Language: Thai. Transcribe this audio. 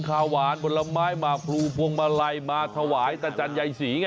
คาวันผละไม้มาปลูกผมมาไลมาถวายตาจันทร์ใหญ่ศรีไง